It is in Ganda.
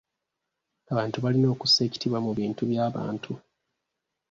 Abantu balina okussa ekitiibwa mu bintu by'abantu.